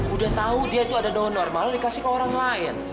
udah tahu dia itu ada down normal dikasih ke orang lain